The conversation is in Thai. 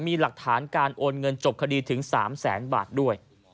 มีหลักฐานการโอนเงินจบคดีถึง๓แสนบาทด้วย